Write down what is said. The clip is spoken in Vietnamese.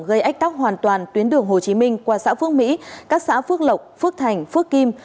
gây ách tắc hoàn toàn tuyến đường hồ chí minh qua xã phước mỹ các xã phước lộc phước thành phước kim